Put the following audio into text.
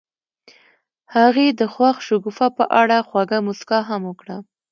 هغې د خوښ شګوفه په اړه خوږه موسکا هم وکړه.